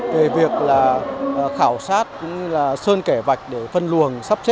về việc khảo sát sơn kẻ vạch để phân luồng